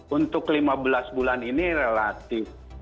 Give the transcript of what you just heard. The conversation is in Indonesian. untuk lima belas bulan ini relatif